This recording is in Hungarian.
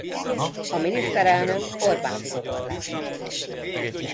A miniszterelnök Orbán Viktor lett.